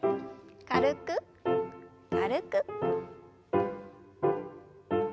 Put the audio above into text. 軽く軽く。